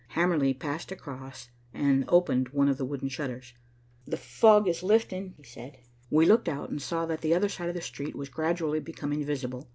Hamerly passed across and opened one of the wooden shutters. "The fog is lifting," he said. We looked out and saw that the other side of the street was gradually becoming visible.